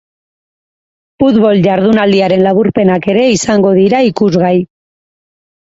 Futbol jardunaldiaren laburpenak ere izango dira ikusgai.